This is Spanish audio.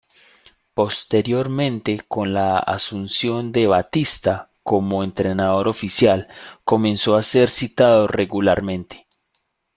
Posteriormente, con la asunción de Batista como entrenador oficial, comenzó a ser citado regularmente.